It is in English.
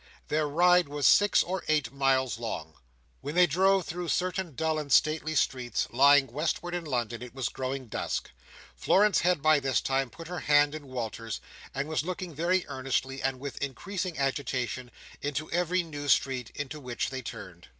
Their ride was six or eight miles long. When they drove through certain dull and stately streets, lying westward in London, it was growing dusk. Florence had, by this time, put her hand in Walter's; and was looking very earnestly, and with increasing agitation, into every new street into which they turned.